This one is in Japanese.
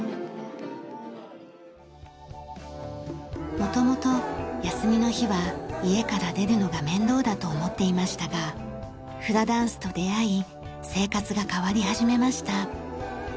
元々休みの日は家から出るのが面倒だと思っていましたがフラダンスと出会い生活が変わり始めました。